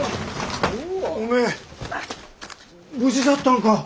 おめえ無事じゃったんか。